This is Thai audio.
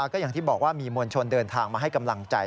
ก็อย่างที่บอกว่ามีมวลชนเดินทางมาให้กำลังใจ